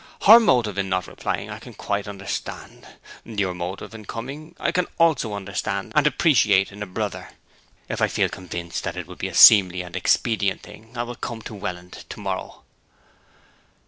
Her motive in not replying I can quite understand: your motive in coming I can also understand and appreciate in a brother. If I feel convinced that it would be a seemly and expedient thing I will come to Welland to morrow.'